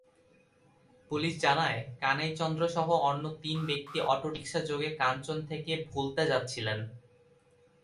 Police জানায়, কানাই চন্দ্রসহ অন্য তিন ব্যক্তি অটোরিকশাযোগে কাঞ্চন থেকে ভুলতা যাচ্ছিলেন।